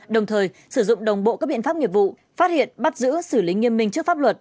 đồng thời sử dụng đồng bộ các biện pháp nghiệp vụ phát hiện bắt giữ xử lý nghiêm minh trước pháp luật